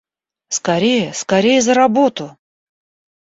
Скорее, скорее за работу!